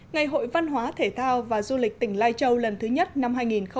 ngày hội văn hóa thể thao và du lịch tỉnh lai châu lần thứ nhất năm hai nghìn một mươi chín